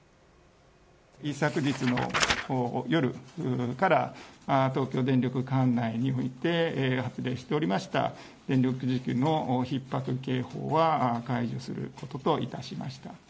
一昨日の夜から、東京電力管内において、発令しておりました、電力需給のひっ迫警報は解除することといたしました。